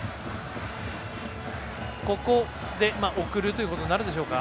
ここで、送るということになるでしょうか。